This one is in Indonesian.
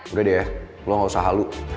udah deh lo gausah halu